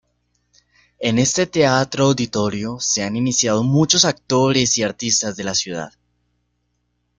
En este teatro auditorio se han iniciado muchos actores y artistas de la ciudad.